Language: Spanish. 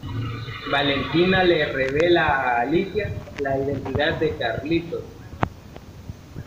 Valentina le revela a Alicia la identidad de Carlitos.